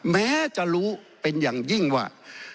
แม้จะรู้เป็นอย่างยิ่งว่า